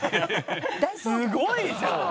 すごいじゃん！